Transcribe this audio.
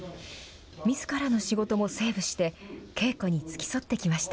みずからの仕事もセーブして稽古に付き添ってきました。